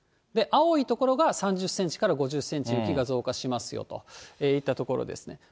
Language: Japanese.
青い所が３０センチから５０センチ雪が増加しますよといったところですね。